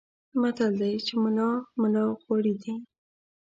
متل دی چې ملا ملا غوړي دي.